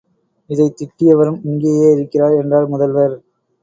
இதைத் திட்டியவரும் இங்கேயே இருக்கிறார் என்றார் முதல்வர்.